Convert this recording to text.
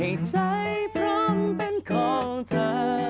ใจพร้อมเป็นของเธอ